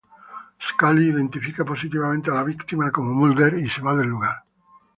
Scully identifica positivamente a la víctima como Mulder y se va del lugar.